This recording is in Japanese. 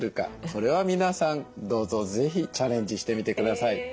これは皆さんどうぞ是非チャレンジしてみてください。